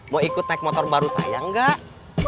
mau ikut naik motor baru saya enggak